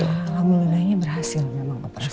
iya alhamdulillahnya berhasil memang operasinya